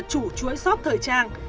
chủ chuỗi shop thời trang